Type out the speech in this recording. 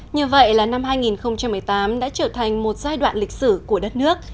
như vậy là năm hai nghìn một mươi tám đã trở thành một giai đoạn lịch sử của đất nước